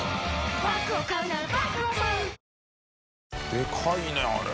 でかいねあれ。